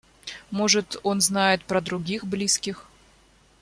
Может, он знает про других близких.